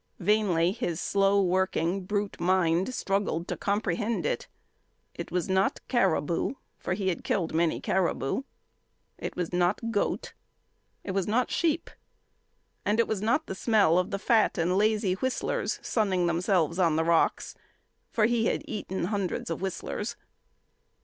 Vainly his slow working brute mind struggled to comprehend it. It was not caribou, for he had killed many caribou; it was not goat; it was not sheep; and it was not the smell of the fat and lazy whistlers sunning themselves on the rocks, for he had eaten hundreds of whistlers.